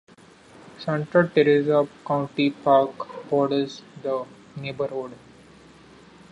Santa Teresa County Park borders the neighborhood.